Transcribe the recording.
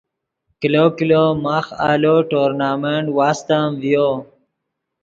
کلو کلو ماخ آلو ٹورنامنٹ واستم ڤیو